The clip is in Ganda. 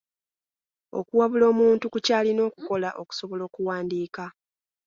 Okuwabula omuntu ku ky'alina okukola okusobola okuwandiika.